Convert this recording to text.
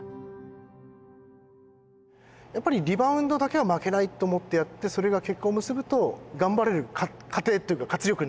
やっぱりリバウンドだけは負けないと思ってやってそれが結果を結ぶと頑張れる糧というか活力になるんですか？